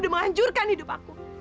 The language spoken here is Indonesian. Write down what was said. tapi udah menganjurkan hidup aku